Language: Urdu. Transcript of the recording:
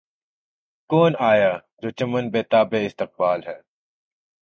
کون آیا‘ جو چمن بے تابِ استقبال ہے!